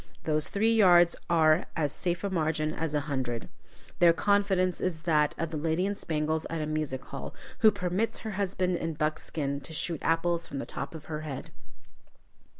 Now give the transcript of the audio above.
Those three yards are as safe a margin as a hundred. Their confidence is that of the lady in spangles at a music hall, who permits her husband in buckskin to shoot apples from the top of her head.